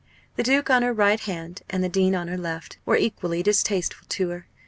The Duke on her right hand, and the Dean on her left, were equally distasteful to her.